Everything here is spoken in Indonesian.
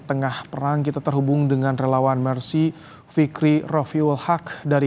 tengah perang kita terhubung dengan relawan mersi fikri rofiul haq dari